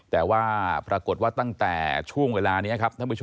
แต่ว่าปรากฏว่าตั้งแต่ช่วงเวลานี้